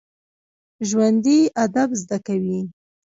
ژوندي ادب زده کوي